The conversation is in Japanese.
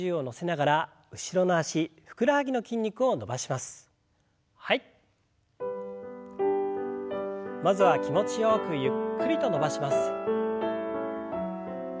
まずは気持ちよくゆっくりと伸ばします。